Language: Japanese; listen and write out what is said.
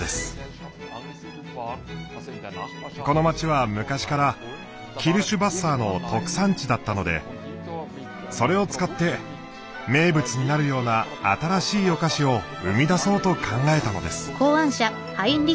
この街は昔からキルシュヴァッサーの特産地だったのでそれを使って名物になるような新しいお菓子を生み出そうと考えたのです。